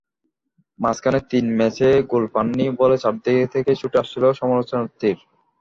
মাঝখানে তিন ম্যাচে গোল পাননি বলে চারদিক থেকে ছুটে আসছিল সমালোচনার তির।